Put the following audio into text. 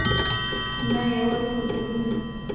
نه یوازې هوټلونه.